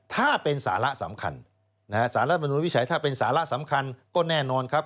ถ้าเป็นสาระสำคัญสาระบริษัยถ้าเป็นสาระสำคัญก็แน่นอนครับ